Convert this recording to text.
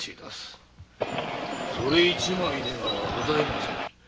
それ一枚ではございません。